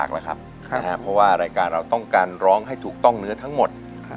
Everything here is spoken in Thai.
เพราะว่ารายการเราต้องการร้องให้ถูกต้องเนื้อทั้งหมด